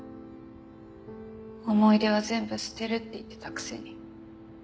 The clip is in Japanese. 思い出は全部捨てるって言ってたくせに。